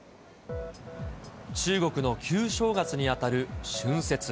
中国の旧正月に当たる春節。